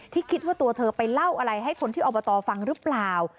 คิดว่าตัวเธอไปเล่าอะไรให้คนที่อบตฟังหรือเปล่า